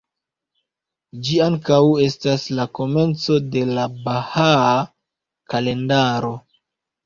Ĝi ankaŭ estas la komenco de la Bahaa Kalendaro.